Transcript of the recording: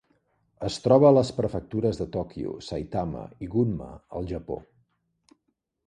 Es troba a les prefectures de Tòquio, Saitama i Gunma al Japó.